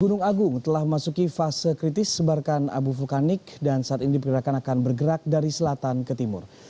gunung agung telah memasuki fase kritis sebarkan abu vulkanik dan saat ini diperkirakan akan bergerak dari selatan ke timur